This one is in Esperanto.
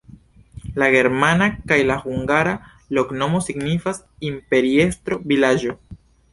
La germana kaj la hungara loknomo signifas: imperiestro-vilaĝo.